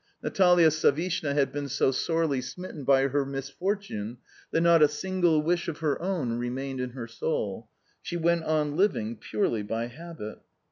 Natalia Savishna had been so sorely smitten by her misfortune that not a single wish of her own remained in her soul she went on living purely by habit.